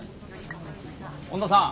恩田さん。